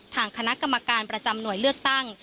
ทางคณะกรรมการประจำหน่วยเลือกตั้ง